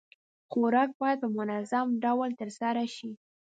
خوراک بايد په منظم ډول ترسره شي.